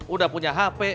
udah punya hape